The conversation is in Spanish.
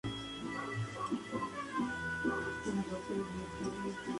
La canción termina con un pasaje hablado.